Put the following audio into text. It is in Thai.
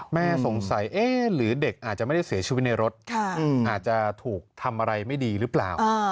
แม่สงสัยหรือเด็กอาจจะไม่ได้เสียชีวิตในรถอาจจะถูกทำอะไรไม่ดีหรือเปล่า